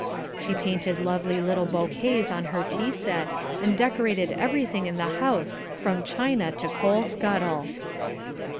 She painted lovely little bouquets on her tea set, and decorated everything in the house from china to coal scuttle.